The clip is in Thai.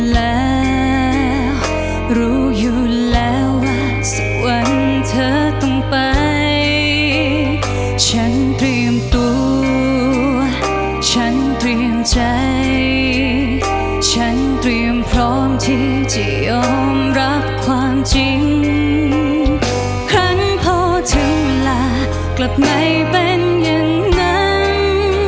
ครั้งพอถึงเวลากลับไหนเป็นอย่างนั้น